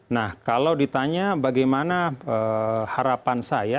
nah kalau ditanya bagaimana harapan saya